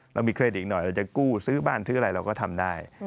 เรามีเครดิตหน่อยเราจะกู้ซื้อบ้านซื้ออะไรเราก็ทำได้